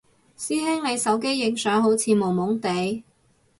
師兄你手機影相好似朦朦哋？